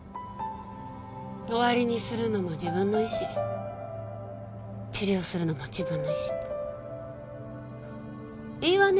終わりにするのも自分の意思治療をするのも自分の意思いいわね